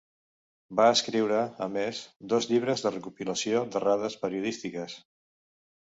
Va escriure, a més, dos llibres de recopilació d'errades periodístiques.